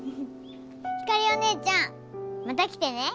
星お姉ちゃんまた来てね。